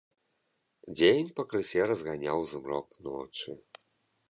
Дзень пакрысе разганяў змрок ночы.